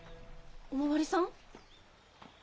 お巡りさん？